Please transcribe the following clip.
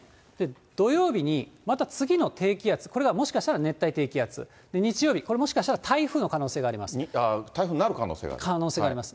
土曜日に、また次の低気圧、これがもしかしたら熱帯低気圧、日曜日、これ、もしかしたら、台風の可能性があります。